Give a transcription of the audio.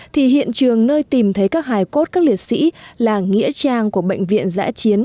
thì hiện trường nơi tìm thấy các hải cốt các liệt sĩ là nghĩa trang của bệnh viện giã chiến